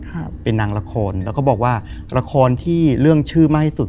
คือก่อนอื่นพี่แจ็คผมได้ตั้งชื่อเอาไว้ชื่อเอาไว้ชื่อ